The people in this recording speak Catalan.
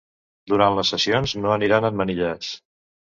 Durant les sessions no aniran emmanillats.